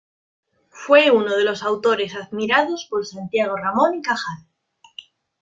Fue uno de los autores admirados por Santiago Ramón y Cajal.